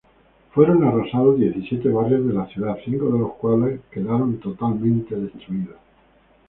Fueron arrasados diecisiete barrios de la ciudad, cinco de los cuales quedaron destruidos totalmente.